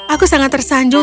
aku sangat tersanjung